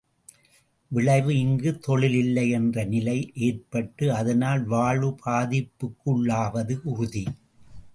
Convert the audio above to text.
விளைவு இங்கு தொழில் இல்லை என்ற நிலை ஏற்பட்டு அதனால் வாழ்வு பாதிப்புக்கு உள்ளாவது உறுதி.